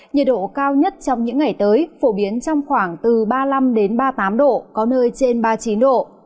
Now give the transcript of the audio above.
nhiệt độ cao nhất trong những ngày tới phổ biến trong khoảng từ ba mươi năm ba mươi tám độ có nơi trên ba mươi chín độ